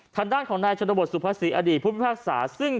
ทางด้านของนายชนบทสุภาษีอดีตผู้พิพากษาซึ่ง